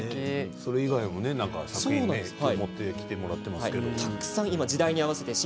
それ以外も作品を持ってきていただいていますけど。